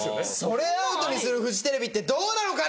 それアウトにするフジテレビってどうなのかね！？